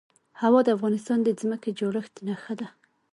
هوا د افغانستان د ځمکې د جوړښت نښه ده.